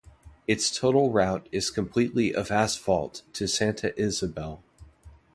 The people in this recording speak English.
Its total route is completely of asphalt to Santa Isabel.